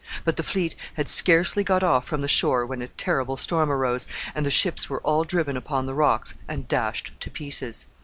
But the fleet had scarcely got off from the shore when a terrible storm arose, and the ships were all driven upon the rocks and dashed to pieces.